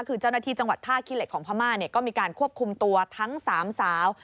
คือเจ้าหน้าที่จังหวัดท่าขี้เหล็กของพม่าก็มีการควบคุมตัวทั้ง๓สาว